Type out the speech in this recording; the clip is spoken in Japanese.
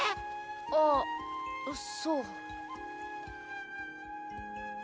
ああそう。